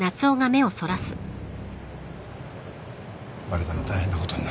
バレたら大変なことになる。